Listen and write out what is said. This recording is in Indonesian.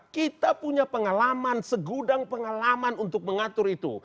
kita punya pengalaman segudang pengalaman untuk mengatur itu